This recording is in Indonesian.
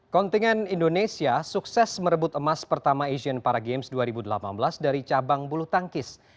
kontingen indonesia sukses merebut emas pertama asian para games dua ribu delapan belas dari cabang bulu tangkis